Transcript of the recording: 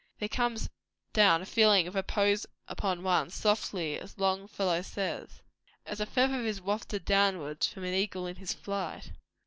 There comes down a feeling of repose upon one, softly, as Longfellow says 'As a feather is wafted downward From an eagle in his flight.'